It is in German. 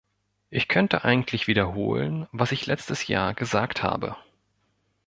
Ich könnte eigentlich wiederholen, was ich letztes Jahr gesagt habe.